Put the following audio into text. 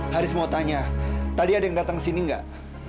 haris mau tanya tadi ada yang datang kesini gak